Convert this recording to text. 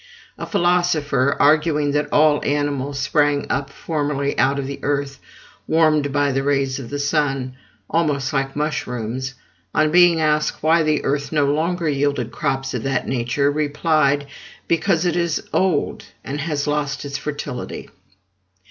A philosopher, arguing that all animals sprang up formerly out of the earth warmed by the rays of the sun, almost like mushrooms, on being asked why the earth no longer yielded crops of that nature, replied: "Because it is old, and has lost its fertility."